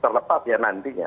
terlepas ya nantinya